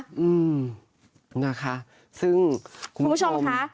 อืมนะคะซึ่งคุณผู้ชมค่ะ